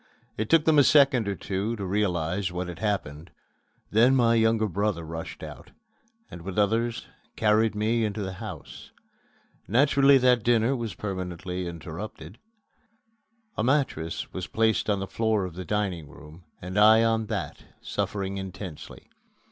It took them a second or two to realize what had happened. Then my younger brother rushed out, and with others carried me into the house. Naturally that dinner was permanently interrupted. A mattress was placed on the floor of the dining room and I on that, suffering intensely.